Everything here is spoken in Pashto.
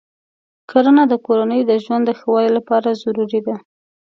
کرنه د کورنیو د ژوند د ښه والي لپاره ضروري ده.